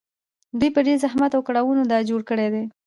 دوی په ډېر زحمت او کړاوونو دا جوړ کړي دي